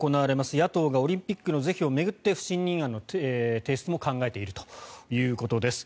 野党がオリンピックの是非を巡って不信任案の提出も考えているということです。